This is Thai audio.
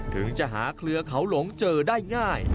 ถึงจะหาเครือเขาหลงเจอได้ง่าย